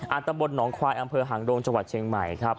อัตบริมหนองควายอำเภยหางดงจังหวัดเชียงใหม่